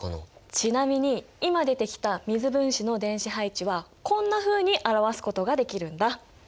ちなみに今出てきた水分子の電子配置はこんなふうに表すことができるんだ。